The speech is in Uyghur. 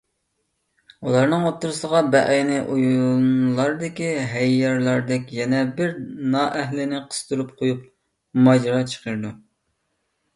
ئۇلارنىڭ ئوتتۇرىسىغا بەئەينى ئويۇنلاردىكى ھەييارلاردەك يەنە بىر نائەھلىنى قىستۇرۇپ قويۇپ ماجىرا چىقىرىدۇ.